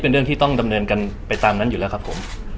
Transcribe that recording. เตรียมตัวเตรียมใจขนาดไรครับผม